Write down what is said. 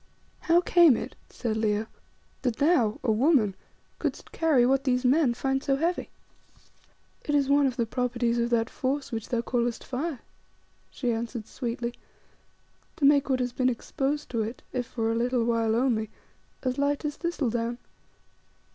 "How came it," said Leo, "that thou, a woman, couldst carry what these men find so heavy?" "It is one of the properties of that force which thou callest fire," she answered sweetly, "to make what has been exposed to it, if for a little while only, as light as thistle down.